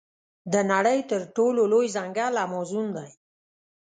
د نړۍ تر ټولو لوی ځنګل امازون دی.